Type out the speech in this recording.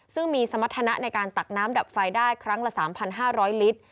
ซึ่งมีสมรรถนะในการตักน้ำดับไฟได้ครั้งละ๓๕๐๐ลิตร